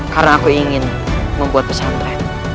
karena aku ingin membuat pesan tren